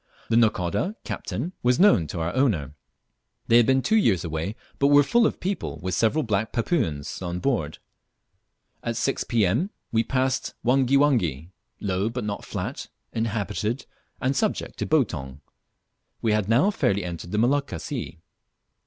The nakoda (captain) was known to our owner. They had been two years away, but were full of people, with several black Papuans on board. At 6 P.M. we passed Wangiwangi, low but not flat, inhabited and subject to Boutong. We had now fairly entered the Molucca Sea.